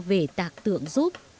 về tạc tượng